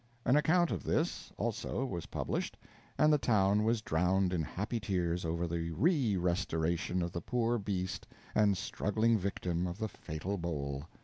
An account of this, also, was published, and the town was drowned in happy tears over the re restoration of the poor beast and struggling victim of the fatal bowl.